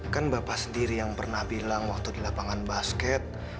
kan bapak sendiri yang pernah bilang waktu di lapangan basket